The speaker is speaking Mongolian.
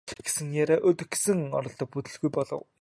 Гэсэн ч яриа өдөх гэсэн оролдлого бүтэлгүй болов.